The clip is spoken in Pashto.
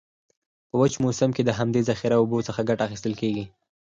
په وچ موسم کې د همدي ذخیره اوبو څخه کټه اخیستل کیږي.